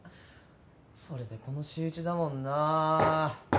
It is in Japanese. それでこの仕打ちだもんなあ。